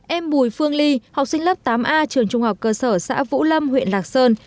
em bùi phương ly học sinh lớp tám a trường trung học cơ sở xã vũ lâm huyện lạc sơn